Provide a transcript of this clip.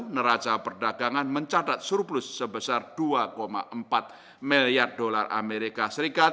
neraca perdagangan mencatat surplus sebesar dua empat miliar dolar amerika serikat